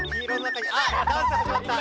あっダンスはじまった！